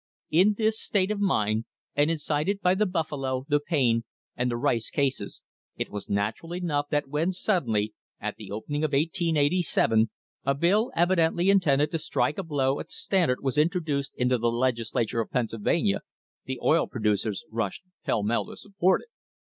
In this state of mind, and incited by the Buffalo, the Payne, and the Rice cases, it was natural enough that when suddenly, at the opening of 1887, a bill evidently intended to strike a blow at the Standard was introduced into the Legislature of Pennsylvania, the oil producers rushed pell mell to support it.